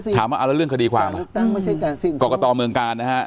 ถามว่าเอาแล้วเรื่องคดีความอ่ะกรกตเมืองกาลนะฮะ